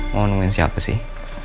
monya siapa sih